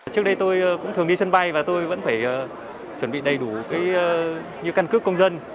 trước đây tôi cũng thường đi sân bay và tôi vẫn phải chuẩn bị đầy đủ như căn cước công dân